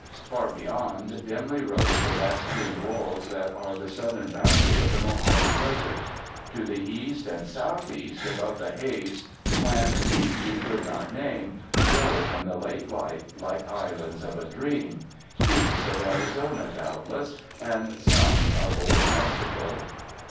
Far beyond dimly rose the bastioned walls that are the southern boundary of the Mojave Desert; to the east and southeast, above the haze, swam peaks we could not name, glowing in the late light like islands of a dream — peaks of Arizona, doubtless, and some of Old Mexico.